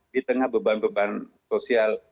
di tengah beban beban sosial